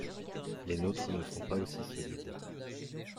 Les nôtre ne sont pas aussi solides.